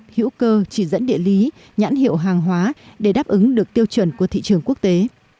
hữu cơ chỉ dẫn địa lý nhãn hiệu hàng hóa để đáp ứng được tiêu chuẩn của thị trường quốc tế